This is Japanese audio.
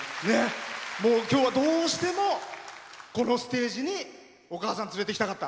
きょうは、どうしてもこのステージにお母さんを連れてきたかった。